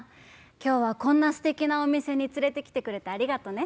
今日はこんなすてきなお店に連れてきてくれてありがとね。